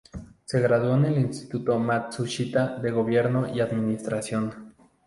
Se graduó en el Instituto Matsushita de Gobierno y Administración.